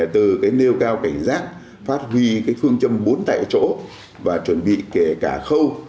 từ nêu cao cảnh giác phát huy phương châm bốn tại chỗ và chuẩn bị kể cả khâu